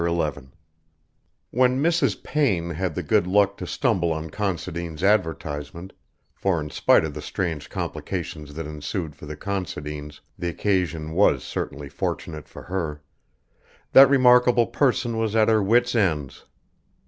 XI When Mrs. Payne had the good luck to stumble on Considine's advertisement for, in spite of the strange complications that ensued for the Considines the occasion was certainly fortunate for her that remarkable person was at her wits' ends.